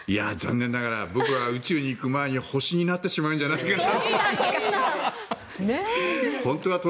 残念ながら僕は宇宙に行く前に星になってしまうんじゃないかと